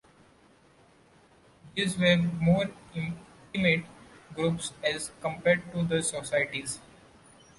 These were more intimate groups as compared to the societies.